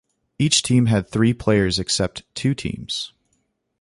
Each team had three players except two teams.